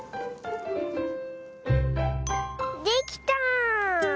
できた！